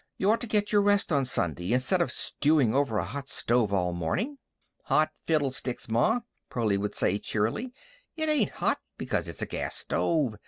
You ought to get your rest on Sunday instead of stewing over a hot stove all morning." "Hot fiddlesticks, ma," Pearlie would say, cheerily. "It ain't hot, because it's a gas stove.